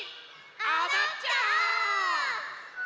おどっちゃおう！